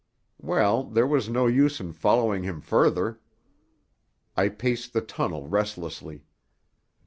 Well, there was no use in following him further. I paced the tunnel restlessly.